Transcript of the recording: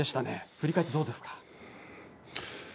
振り返ってどうですか。